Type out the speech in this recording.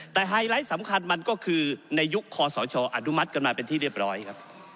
แต่ไฮไลท์สำคัญมันก็คือในยุคคอสชอนุมัติกันมาเป็นที่เรียบร้อยครับ